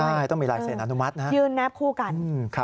ใช่ต้องมีหลายเศษอนุมัตินะครับขึ้นแนบคู่กัน